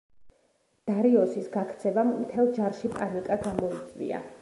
დარიოსის გაქცევამ მთელ ჯარში პანიკა გამოიწვია.